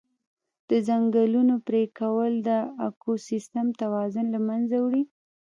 د ځنګلونو پرېکول د اکوسیستم توازن له منځه وړي.